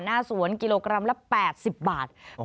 หน้าสวนกิโลกรัมละ๘๐บาท